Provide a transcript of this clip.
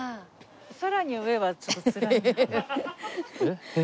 さらに上はちょっとつらいな。